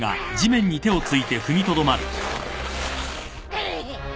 うっ！